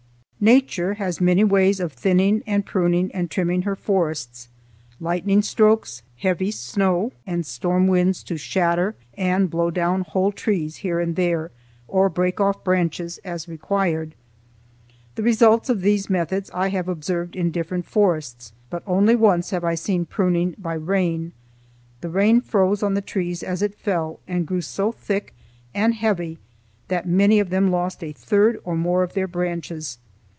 Nature has many ways of thinning and pruning and trimming her forests,—lightning strokes, heavy snow, and storm winds to shatter and blow down whole trees here and there or break off branches as required. The results of these methods I have observed in different forests, but only once have I seen pruning by rain. The rain froze on the trees as it fell and grew so thick and heavy that many of them lost a third or more of their branches.